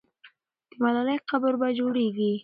د ملالۍ قبر به جوړېږي.